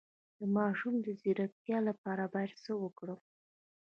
د ماشوم د ځیرکتیا لپاره باید څه وکړم؟